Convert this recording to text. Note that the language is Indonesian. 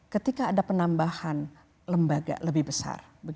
ketika ada penambahan lembaga lebih besar